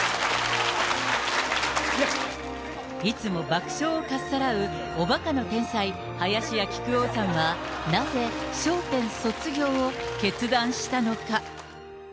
いつも爆笑をかっさらうおバカの天才、林家木久扇さんは、なぜ笑点卒業を決断したのか。